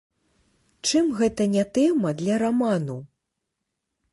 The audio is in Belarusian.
Чым гэта не тэма для раману?